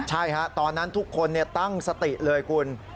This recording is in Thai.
ใช่ฮะตอนนั้นทุกคนตั้งสติเลยคุณ